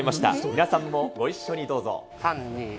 皆さんもご一緒にどうぞ。